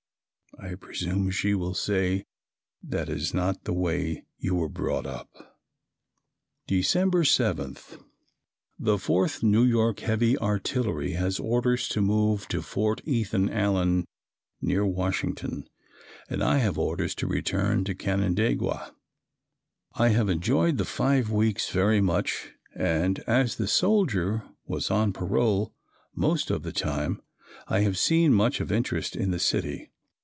I presume she will say "that is not the way you were brought up." December 7. The 4th New York Heavy Artillery has orders to move to Fort Ethan Allen, near Washington, and I have orders to return to Canandaigua. I have enjoyed the five weeks very much and as "the soldier" was on parole most of the time I have seen much of interest in the city.